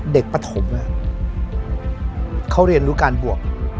ปฐมเขาเรียนรู้การบวก